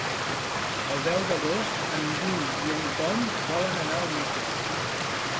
El deu d'agost en Guim i en Tom volen anar al metge.